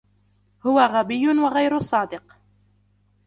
هو غبي وغير صادق.